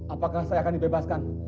apakah saya akan dibebaskan